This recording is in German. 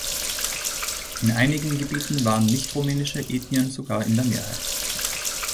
In einigen Gebieten waren nicht-rumänische Ethnien sogar in der Mehrheit.